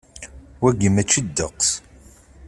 Wagi mačči ddeqs.